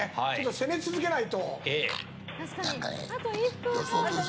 攻め続けないと。